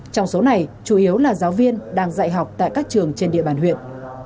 trong số này chủ yếu là giáo viên đang dạy học tại các trường trên địa bàn huyện